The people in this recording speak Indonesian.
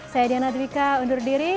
saya diana dwi ka undur diri